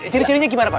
ciri cirinya gimana pak